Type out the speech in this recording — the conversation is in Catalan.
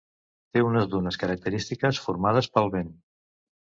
Té unes dunes característiques formades pel vent.